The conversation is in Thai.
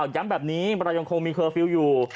ย้ำแบบนี้เรายังคงมีเคอร์ฟิลล์อยู่